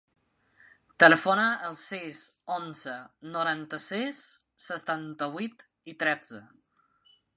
Telefona al sis, onze, noranta-sis, setanta-vuit, tretze.